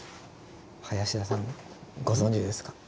林田さんご存じですか？